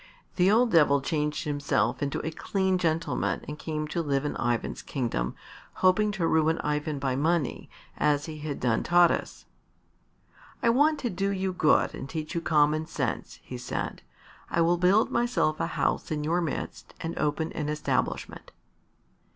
The old Devil changed himself into a clean gentleman and came to live in Ivan's kingdom, hoping to ruin Ivan by money, as he had done Taras. "I want to do you good and teach you common sense," he said. "I will build myself a house in your midst and open an establishment."